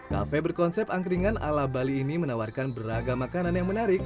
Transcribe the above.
kafe berkonsep angkringan ala bali ini menawarkan beragam makanan yang menarik